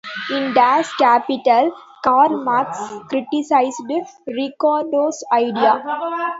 In "Das Kapital", Karl Marx criticized Ricardo's idea.